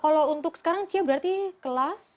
kalau untuk sekarang cia berarti kelas